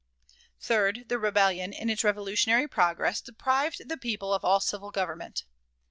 Third, the rebellion, in its revolutionary progress, deprived the people of all civil government.